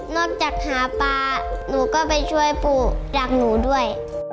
จากหาปลาหนูก็ไปช่วยปู่จากหนูด้วย